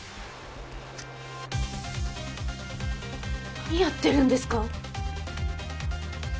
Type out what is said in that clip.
何やってるんですか！？